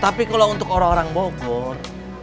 tapi kalau untuk orang orang bogor